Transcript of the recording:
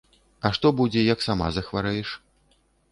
А што будзе, як сама захварэеш?